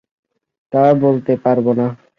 তা বলতে পারব না!